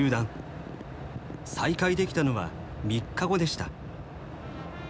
再開できたのは３日後でした。